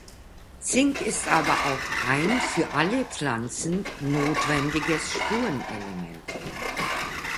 Zink ist aber auch ein für alle Pflanzen notwendiges Spurenelement.